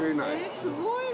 すごいね。